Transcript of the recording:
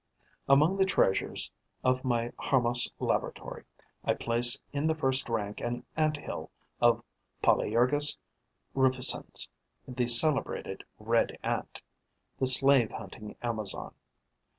Among the treasures of my harmas laboratory, I place in the first rank an Ant hill of Polyergus rufescens, the celebrated Red Ant, the slave hunting Amazon.